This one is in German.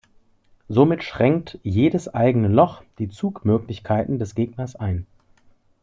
Somit schränkt jedes eigene Loch die Zugmöglichkeiten des Gegners ein.